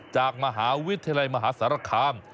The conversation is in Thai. จากมหาวิทยาลัยมหาสารคาม